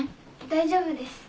大丈夫です。